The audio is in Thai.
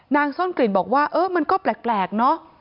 ซ่อนกลิ่นบอกว่าเออมันก็แปลกเนอะ